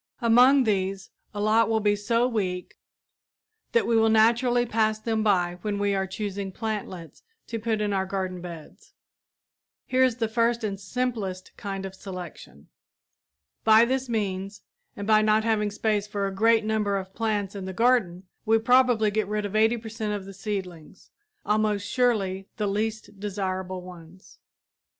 Among these a lot will be so weak that we will naturally pass them by when we are choosing plantlets to put in our garden beds. Here is the first and simplest kind of selection. By this means, and by not having space for a great number of plants in the garden, we probably get rid of 80 per cent of the seedlings almost surely the least desirable ones.